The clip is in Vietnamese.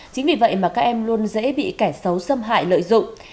chính vì vậy mà các em luôn dễ bị kẻ xấu xâm hại lợi dụng